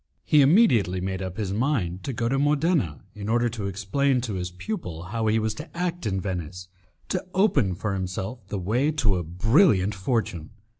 He immediately made up his mind to go to Modena in order to explain to his pupil how he was to act in Venice to open for himself the way to a brilliant fortune.